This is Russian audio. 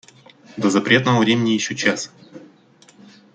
До запретного времени еще час.